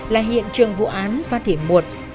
là hiện trường vụ án phát hiện một